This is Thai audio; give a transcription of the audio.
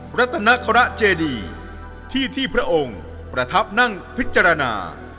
รัฐนครเจดีที่ที่พระองค์ประทับนั่งพิจารณา